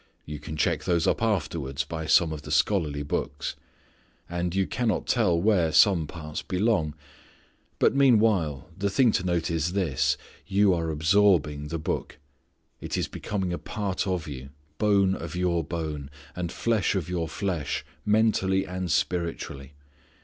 You can check those up afterwards by some of the scholarly books. And you cannot tell where some parts belong. But meanwhile the thing to note is this: you are absorbing the Book. It is becoming a part of you, bone of your bone, and flesh of your flesh, mentally, and spiritually.